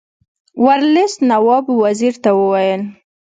ورلسټ نواب وزیر ته وویل.